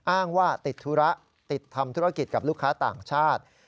อ้างว่าติดธุระติดทำธุรกิจกับลูกค้าต่างชาติ